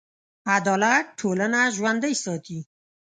عدالت ټولنه ژوندي ساتي.